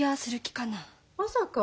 まさか。